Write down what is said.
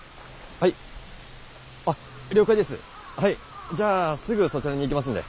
はいじゃあすぐそちらに行きますんで。